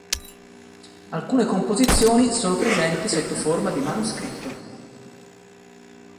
Alcune composizioni sono presenti sotto forma di manoscritto.